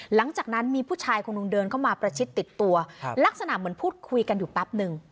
หลังจากนั้นมีผู้ชายคนหนึ่งเดินเข้ามาประชิดติดตัวลักษณะเหมือนพูดคุยกันอยู่แป๊บนึง